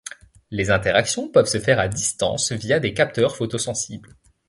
Les interactions peuvent se faire à distance via des capteurs photosensibles.